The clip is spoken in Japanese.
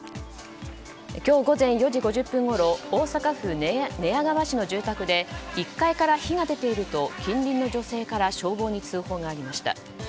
今日午前４時５０分ごろ大阪府寝屋川市の住宅で１階から火が出ていると近隣の女性から消防に通報がありました。